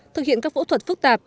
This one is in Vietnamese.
thực hiện các phẫu thuật phức tạp